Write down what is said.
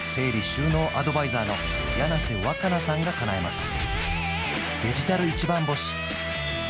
収納アドバイザーの柳瀬わかなさんがかなえます